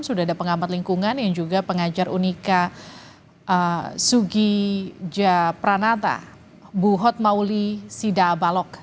sudah ada pengamat lingkungan yang juga pengajar unika sugi japranata bu hotmauli sida balok